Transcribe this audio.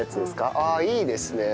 ああいいですね。